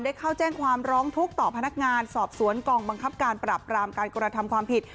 เข้าแจ้งความร้องทุกข์ต่อพนักงานสอบสวนกองบังคับการปราบรามการกระทำความผิด